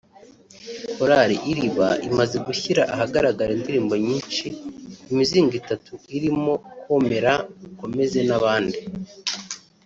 Korali Iriba imaze gushyira ahagaragara indirimbo nyinshi ku mizingo itatu irimo Komera ukomeze n’abandi